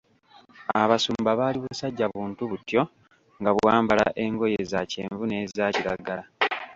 Abasumba baali busajja buntu butyo nga bwambala engoye za kyenvu n'eza kiragala.